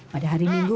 pada hari minggu